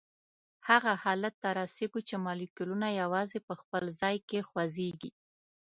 هغه حالت ته رسیږو چې مالیکولونه یوازي په خپل ځای کې خوځیږي.